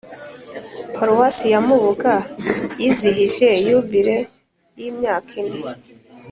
paruwasi ya mubuga yizihije yubile y’imyaka ine